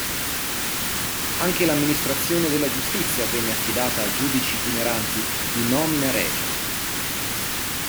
Anche l'amministrazione della giustizia venne affidata a giudici itineranti di nomina regia.